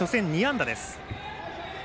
初戦、２安打です。